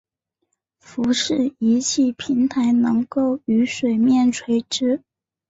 浮式仪器平台能够与水面垂直。